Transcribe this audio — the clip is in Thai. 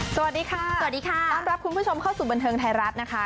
สวัสดีค่ะสวัสดีค่ะต้อนรับคุณผู้ชมเข้าสู่บันเทิงไทยรัฐนะคะ